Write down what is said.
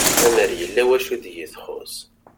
Amer yella wacu deg i txuss